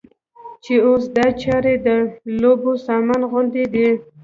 چې اوس دا چارې د لوبو سامان غوندې دي.